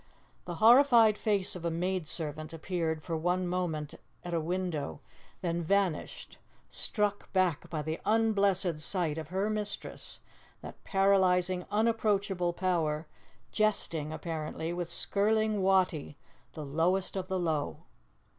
The horrified face of a maidservant appeared for one moment at a window, then vanished, struck back by the unblessed sight of her mistress, that paralyzing, unapproachable power, jesting, apparently, with Skirling Wattie, the lowest of the low.